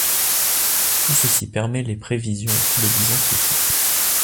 Tout ceci permet les prévisions de Bison futé.